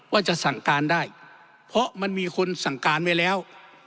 ว่าจะสั่งการได้เพราะมันมีคนสั่งการไว้แล้ว